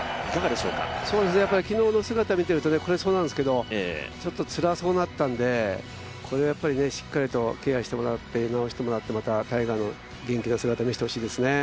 昨日の姿を見ていると、悔しそうなんですけど、ちょっとつらそうだったんでこれはやっぱりしっかりとケアしてもらって治してもらって、またタイガーの元気な姿を見せてもらいたいですね。